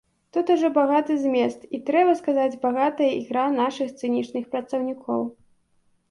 Тут ужо багаты змест і, трэба сказаць, багатая ігра нашых сцэнічных працаўнікоў.